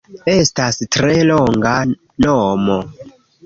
Estas tre longa nomo